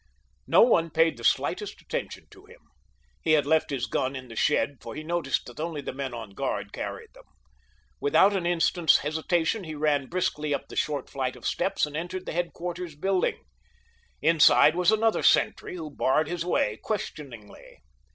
No one paid the slightest attention to him. He had left his gun in the shed for he noticed that only the men on guard carried them. Without an instant's hesitation he ran briskly up the short flight of steps and entered the headquarters building. Inside was another sentry who barred his way questioningly.